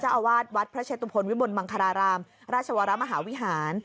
อาวาสวัดพระเชตุพลวิบลมังคารารามราชวรมหาวิหาร